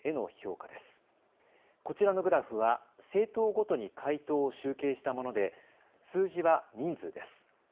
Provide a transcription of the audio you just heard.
こちらのグラフは政党ごとに回答を集計したもので数字は人数です。